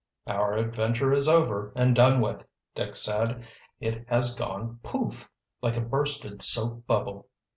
"Our adventure is over and done with," Dick said. "It has gone 'poof' like a bursted soap bubble."